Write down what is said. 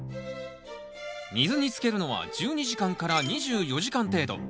水につけるのは１２時間２４時間程度。